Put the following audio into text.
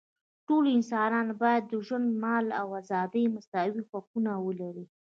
ټول انسانان باید د ژوند، مال او ازادۍ مساوي حقونه ولري.